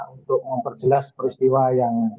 untuk memperjelas peristiwa yang